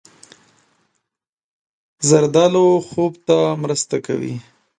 زردالو خوب ته مرسته کوي.